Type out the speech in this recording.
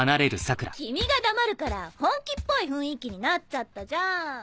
君が黙るから本気っぽい雰囲気になっちゃったじゃん。